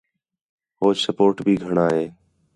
ہوچ سپورٹ بھی گھݨاں ہے